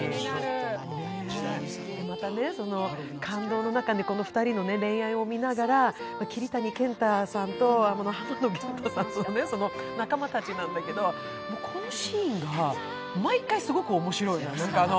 また、感動の中に２人の恋愛をみながら桐谷健太さんと浜野謙太さんの仲間たちなんだけれど、このシーンが毎回すごく面白いの。